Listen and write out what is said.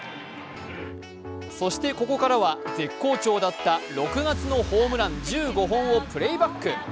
そしてここからは絶好調だった６月のホームラン１５本をプレーバック。